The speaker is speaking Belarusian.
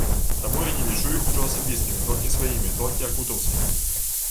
Таму я не лічу іх ужо асабістымі, толькі сваімі, толькі акутаўскімі.